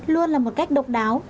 luôn là một cách độc đáo